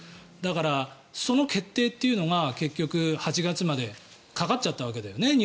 だから、その決定というのが結局、８月までかかっちゃったわけだよね。